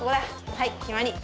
はいきまり。